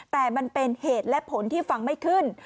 แต่มันเป็นเหตุและผลที่ฟังไม่ขึ้น